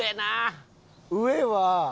上は。